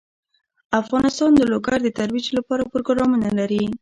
افغانستان د لوگر د ترویج لپاره پروګرامونه لري.